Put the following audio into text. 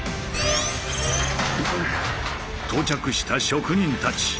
到着した職人たち。